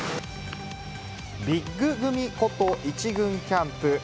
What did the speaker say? ビッグ組こと１軍キャンプ